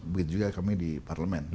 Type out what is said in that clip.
begitu juga kami di parlemen